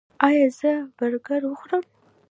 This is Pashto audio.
ایا زه برګر وخورم؟